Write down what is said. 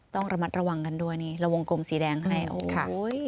ต้องระมัดระวังกันด้วยนี่ระวงกลมสีแดงให้โอ้โห